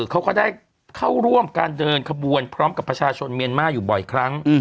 เขาก็ได้เข้าร่วมการเดินขบวนพร้อมกับประชาชนเมียนมาร์อยู่บ่อยครั้ง